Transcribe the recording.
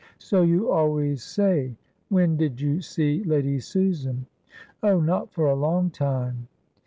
"So you always say. When did you see Lady Susan?" "Oh, not for a long time."